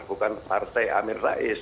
bukan partai amir rais